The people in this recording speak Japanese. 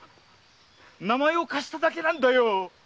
名前を貸しただけなんだよ。